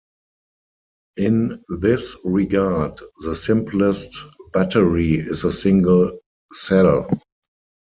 In this regard, the simplest "battery" is a single cell.